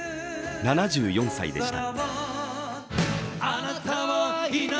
７４歳でした。